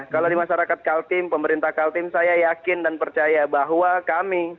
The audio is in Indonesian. kalau di masyarakat kaltim pemerintah kaltim saya yakin dan percaya bahwa kami